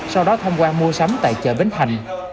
sau đó tham quan mua sắm tại chợ bến thành